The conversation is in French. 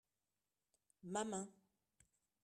ma main.